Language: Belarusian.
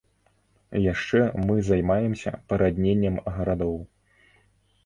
Яшчэ мы займаемся парадненнем гарадоў.